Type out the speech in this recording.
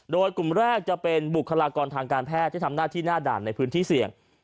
โดยกลุ่มแรกจะเป็นบุคลากรทางการแพทย์ที่ทำหน้าที่หน้าด่านในพื้นที่เสี่ยง